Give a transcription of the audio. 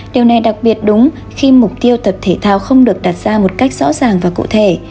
điều này đặc biệt đúng khi mục tiêu tập thể thao không được đặt ra một cách rõ ràng và cụ thể